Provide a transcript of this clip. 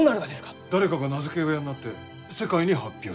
誰かが名付け親になって世界に発表する。